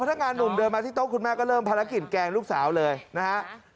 พนักงานหนุ่มเดินมาที่โต๊ะคุณแม่ก็เริ่มภารกิจแกล้งลูกสาวเลยนะฮะ